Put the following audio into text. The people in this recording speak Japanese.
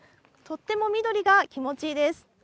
とっても緑が気持ちいいです。